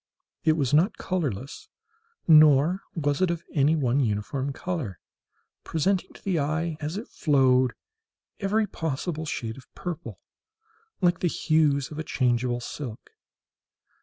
It was not colourless, nor was it of any one uniform colour—presenting to the eye, as it flowed, every possible shade of purple; like the hues of a changeable silk.